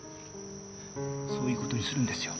そういう事にするんですよ。